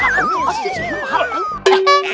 begini sih pada ngapain